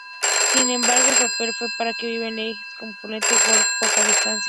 Sin embargo, el papel fue para Vivien Leigh, con Paulette Goddard a poca distancia.